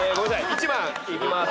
１番いきます。